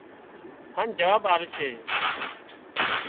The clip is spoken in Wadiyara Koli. هانَ جواب آلشي